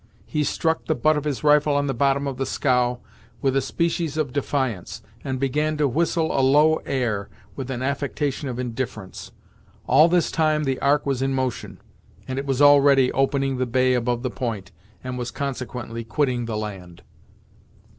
He struck the butt of his rifle on the bottom of the scow, with a species of defiance, and began to whistle a low air with an affectation of indifference. All this time the Ark was in motion, and it was already opening the bay above the point, and was consequently quitting the land.